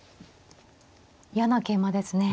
嫌な桂馬ですね。